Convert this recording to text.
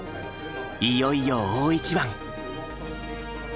いよいよ大一番。